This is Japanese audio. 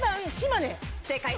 正解。